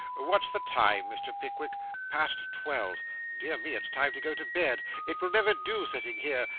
What's the time, Mr. Pickwick?' Past twelve.' 'Dear me, it's time to go to bed. It will never do, sitting here.